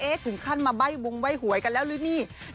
ถึงขั้นมาใบ้วงใบ้หวยกันแล้วหรือนี่